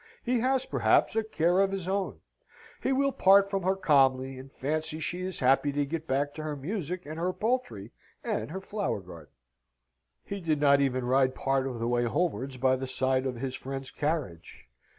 He has, perhaps, a care of his own. He will part from her calmly, and fancy she is happy to get back to her music and her poultry and her flower garden. He did not even ride part of the way homewards by the side of his friend's carriage.